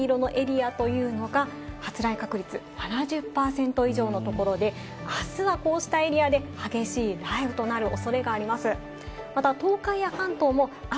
この紫色のエリアというのが、発雷確率７０％以上のところで、あすはこうしたエリアで激しい雷雨となる恐れがあります。